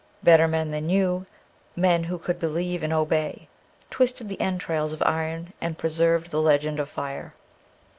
Better men than you, men who could believe and obey, twisted the entrails of iron, and preserved the legend of fire.